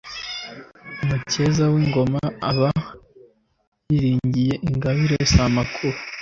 Umukeza w'ingoma aba yiringiye ingabire si amakuba.